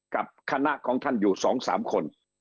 กับคณะของท่านอยู่๒๓คน